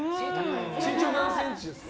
身長何センチですか？